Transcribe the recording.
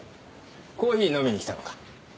コーヒー飲みに来たのか？